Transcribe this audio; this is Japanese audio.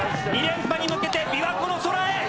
２連覇に向けて琵琶湖の空へ！